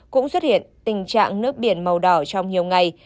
cũng xuất hiện tình trạng nước biển màu đỏ trong nhiều ngày